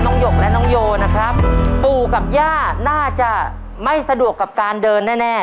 หยกและน้องโยนะครับปู่กับย่าน่าจะไม่สะดวกกับการเดินแน่แน่